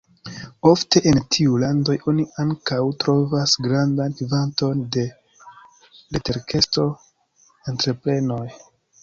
Ofte en tiuj landoj oni ankaŭ trovas grandan kvanton de leterkesto-entreprenoj.